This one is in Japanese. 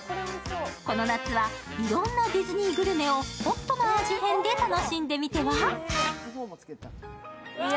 この夏はいろんなディズニーグルメをホットな味変で楽しんでみては。